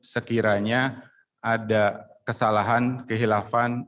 sekiranya ada kesalahan kehilafan